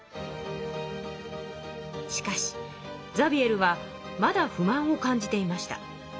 しかしザビエルはまだ不満を感じていました。